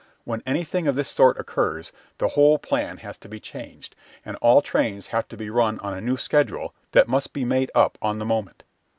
When anything of this sort occurs the whole plan has to be changed, and all trains have to be run on a new schedule that must be made up on the moment.